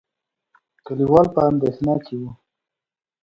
کليوال په اندېښنه کې ول.